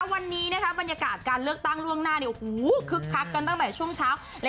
วันนี้บรรยากาศการเลือกตั้งล่วงหน้าคึกคักกันตั้งแต่ช่วงเช้า